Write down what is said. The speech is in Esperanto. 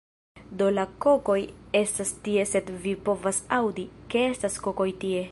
Do, la kokoj estas tie sed vi povas aŭdi, ke estas kokoj tie